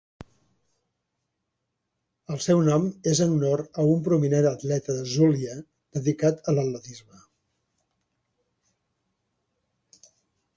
El seu nom és en honor a un prominent atleta de Zulia dedicat a l'atletisme.